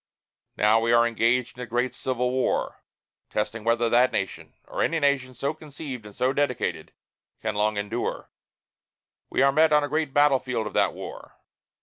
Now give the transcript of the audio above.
Now we are engaged in a great civil war, testing whether that nation, or any nation so conceived and so dedicated, can long endure. We are met on a great battle field of that war.